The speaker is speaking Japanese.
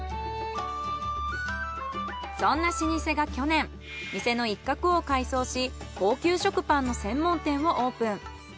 そんな老舗が去年店の一角を改装し高級食パンの専門店をオープン。